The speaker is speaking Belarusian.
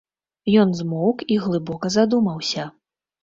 Ён змоўк і глыбока задумаўся.